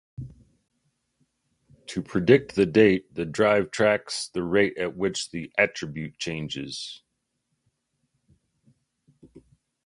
To predict the date, the drive tracks the rate at which the attribute changes.